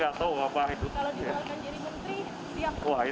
gak tau agaknya dari ibu kota kali